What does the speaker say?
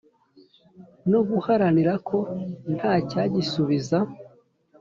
No guharanira ko ntacyagisubiza